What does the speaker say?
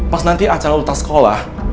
pas nanti acara utas sekolah